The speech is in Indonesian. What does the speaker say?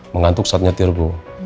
mengantuk saat nyetir bu